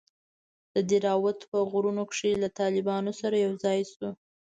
د دهراوت په غرونوکښې له طالبانو سره يوځاى سو.